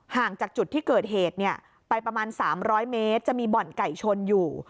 ห่างจากจุดที่เกิดเหตุไปประมาณ๓๐๐เมตรจะมีบ่อนไก่ชนอยู่